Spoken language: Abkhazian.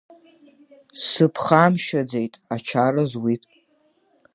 Сыԥхамшьаӡеит, ачара зуит.